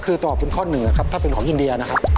คือตอบเป็นข้อหนึ่งนะครับถ้าเป็นของอินเดียนะครับ